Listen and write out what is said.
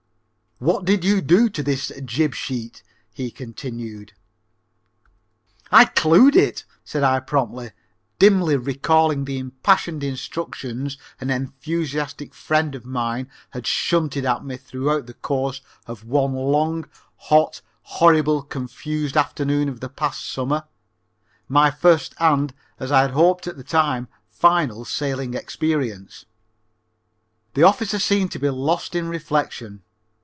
"What did you do to this jib sheet?" he continued. "I clewed it," said I promptly, dimly recalling the impassioned instructions an enthusiastic friend of mine had shunted at me throughout the course of one long, hot, horrible, confused afternoon of the past summer my first, and, as I had hoped at the time, final sailing experience. The officer seemed to be lost in reflection.